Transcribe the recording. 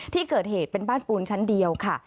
ที่เกิดเหตุเป็นบ้านปูนชั้นเดียวค่ะ